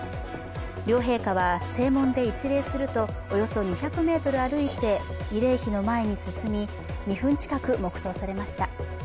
両陛下は正門で一礼するとおよそ２００ｍ歩いて慰霊碑の前に進み、２分近く黙とうされました。